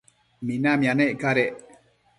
minamia nec cadec